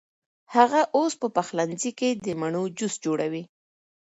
هغه اوس په پخلنځي کې د مڼو جوس جوړوي.